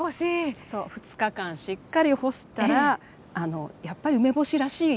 ２日間しっかり干したらやっぱり梅干しらしい姿に。